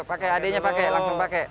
pakai adiknya pakai langsung pakai